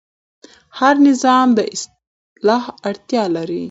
هر نظام د اصلاح اړتیا لري